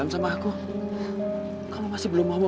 bapak masih ada bu